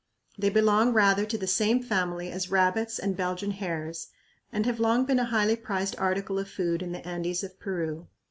They belong rather to the same family as rabbits and Belgian hares and have long been a highly prized article of food in the Andes of Peru.